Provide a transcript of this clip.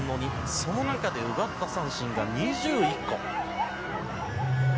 その中で奪った三振が２１個。